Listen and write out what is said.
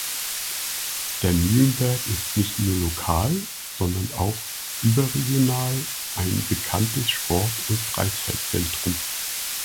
Der Mühlenberg ist nicht nur lokal, sondern auch überregional ein bekanntes Sport- und Freizeitzentrum.